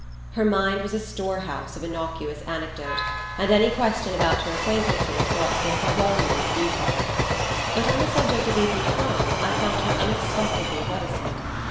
Her mind was a store house of innocuous anecdote and any question about her acquaintances brought forth a volume of detail; but on the subject of Ethan Frome I found her unexpectedly reticent.